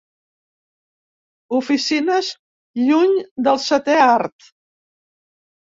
Oficines lluny del setè art.